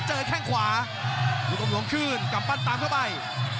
เจอแข้งขวาลูกอำรวงขึ้นกลับปั้นตามเข้าไป